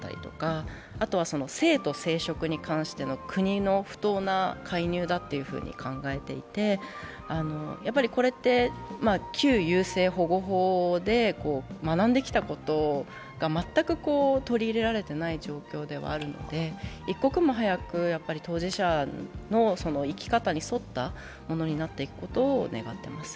あとは性と生殖に関しての国の不当な介入だっていうふうに考えていて、やはりこれって旧優生保護法で学んできたことが全く取り入れられていない状況ではあるので、一刻も早く当事者の生き方に沿ったものになっていくことを願っています。